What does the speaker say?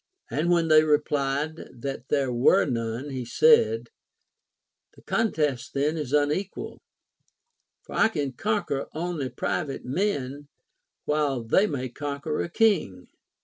And when they replied that there were none, he said, The contest then is unequal, for I can conquer only private men, while they may con(|uer a king.